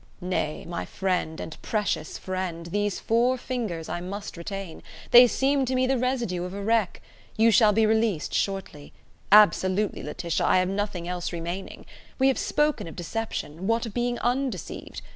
Nay, my friend and precious friend, these four fingers I must retain. They seem to me the residue of a wreck: you shall be released shortly: absolutely, Laetitia, I have nothing else remaining We have spoken of deception; what of being undeceived?